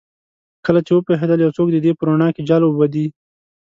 کله چې وپوهیدل یو څوک د دې په روڼا کې جال اوبدي